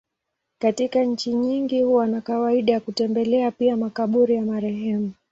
Katika nchi nyingi huwa na kawaida ya kutembelea pia makaburi ya marehemu.